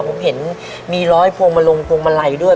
ผมเห็นมีร้อยพวงมาลงพวงมาลัยด้วย